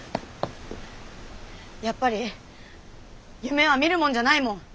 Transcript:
やっぱり夢は見るもんじゃないもん。